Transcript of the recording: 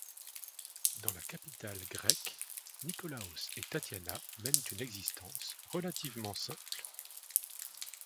Dans la capitale grecque, Nikólaos et Tatiana mènent une existence relativement simple.